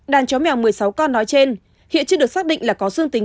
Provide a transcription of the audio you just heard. đàn chó mèo một mươi sáu con nói trên hiện chưa được xác định là có dương tính